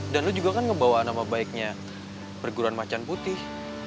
dan lo juga kan ngebawa nama baiknya perguruan macan putih